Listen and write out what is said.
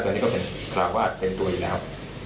ตอนนี้ก็เป็นคาราวาสเต็มตัวอยู่แล้ว